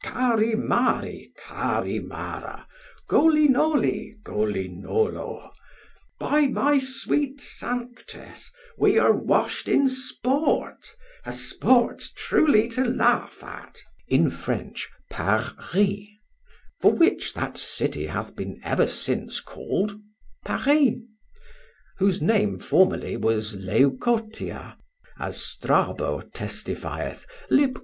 Carimari, carimara: golynoly, golynolo. By my sweet Sanctess, we are washed in sport, a sport truly to laugh at; in French, Par ris, for which that city hath been ever since called Paris; whose name formerly was Leucotia, as Strabo testifieth, lib.